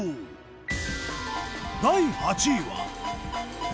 第８位は。